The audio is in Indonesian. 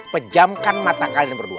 pejamkan mata kalian berdua